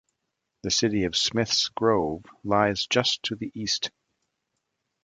The city of Smiths Grove lies just to the east.